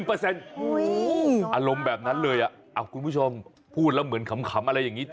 อารมณ์แบบนั้นเลยคุณผู้ชมพูดแล้วเหมือนขำอะไรอย่างนี้